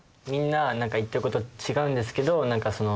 みんな何か言っていることが違うんですけど